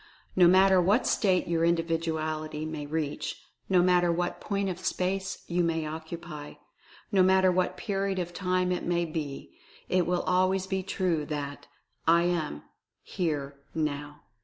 No matter what state your Individuality may reach ; no matter what point of space you may occupy; no matter what period of time it may be — it will always be true that "I AM, HERE, NOW